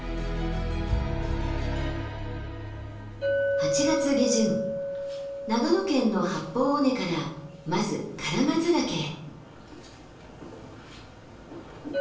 ８月下旬長野県の八方尾根からまず唐松岳へ。